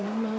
cắt toàn bộ